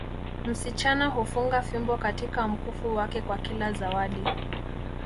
Msichana hufunga fimbo katika mkufu wake kwa kila zawadi